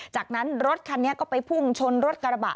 จากนั้นรถคันนี้ก็ไปพุ่งชนรถกระบะ